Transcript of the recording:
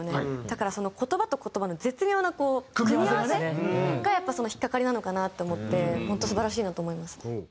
だからその言葉と言葉の絶妙な組み合わせがその引っかかりなのかなと思って本当素晴らしいなと思いますね。